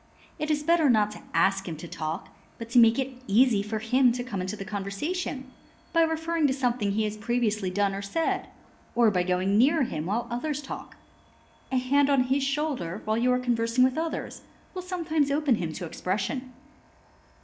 It is better not to ask him to talk, but to make it easy for him to come into the conversation by referring to something he has previously done or said, or by going near him while others talk. A hand on his shoulder while you are conversing with others, will sometimes open him to expression.